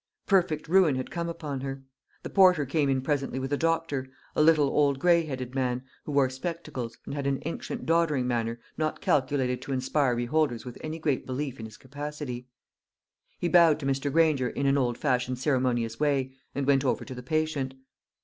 Perfect ruin had come upon her. The porter came in presently with a doctor a little old grey headed man, who wore spectacles, and had an ancient doddering manner not calculated to inspire beholders with any great belief in his capacity. He bowed to Mr. Granger in an old fashioned ceremonious way, and went over to the patient.